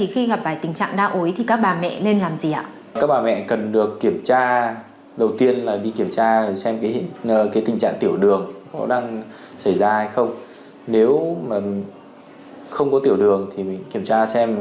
hãy đăng ký kênh để ủng hộ kênh của mình nhé